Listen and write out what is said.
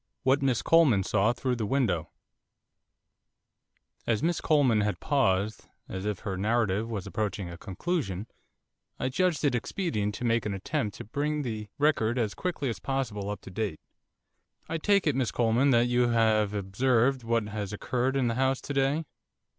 WHAT MISS COLEMAN SAW THROUGH THE WINDOW As Miss Coleman had paused, as if her narrative was approaching a conclusion, I judged it expedient to make an attempt to bring the record as quickly as possible up to date. 'I take it, Miss Coleman, that you have observed what has occurred in the house to day.